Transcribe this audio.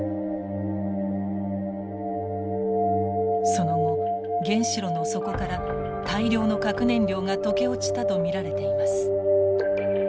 その後原子炉の底から大量の核燃料が溶け落ちたと見られています。